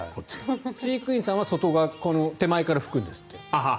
飼育員さんは手前から拭くんですって。